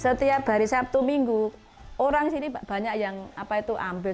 setiap hari sabtu minggu orang sini banyak yang ambil